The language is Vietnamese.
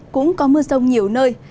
cũng có mưa rông nhiều nơi